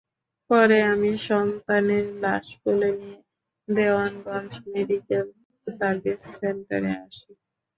পরে আমি সন্তানের লাশ কোলে নিয়ে দেওয়ানগঞ্জ মেডিকেল সার্ভিস সেন্টারে আসি।